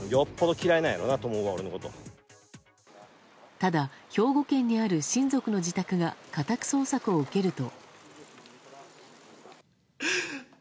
ただ兵庫県にある親族の自宅が家宅捜索を受けると。